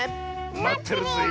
まってるぜえ。